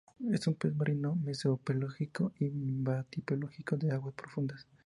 Es un pez marino mesopelágico y batipelágico de aguas profundas.